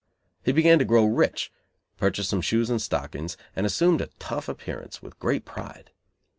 He began to grow rich, purchased some shoes and stockings, and assumed a "tough" appearance, with great pride.